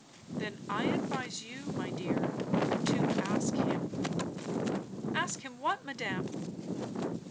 "Then I advise you, my dear, to ask him." "Ask him what, madame?"